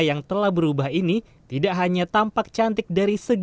yang memiliki kualitas